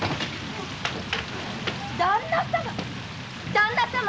⁉旦那様！